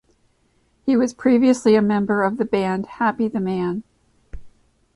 He was previously a member of the band Happy the Man.